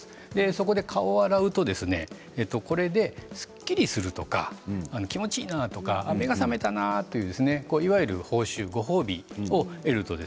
そこで顔を洗うとこれですっきりするとか気持ちいいなとか目が覚めたなといういわゆる報酬ご褒美を得ると。